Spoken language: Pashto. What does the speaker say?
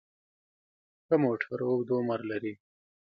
ښه موټر اوږد عمر لري.